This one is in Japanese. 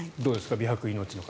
美白命の方。